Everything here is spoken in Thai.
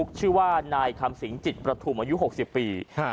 ชื่อว่านายคำสิงจิตประทุมอายุ๖๐ปี